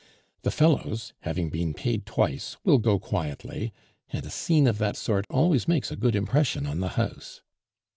The fellows, having been paid twice, will go quietly, and a scene of that sort always makes a good impression on the house."